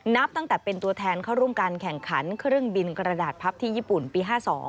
นับตั้งแต่เป็นตัวแทนเข้าร่วมการแข่งขันเครื่องบินกระดาษพับที่ญี่ปุ่นปี๕๒